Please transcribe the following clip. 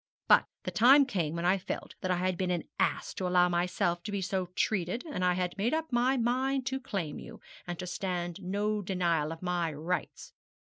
But the time came when I felt that I had been an ass to allow myself to be so treated; and I made up my mind to claim you, and to stand no denial of my rights.